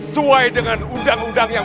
sampai tidak dan kejadian